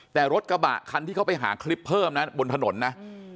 แต่รถกระบะคันที่เขาไปหาคลิปเพิ่มนะบนถนนนะ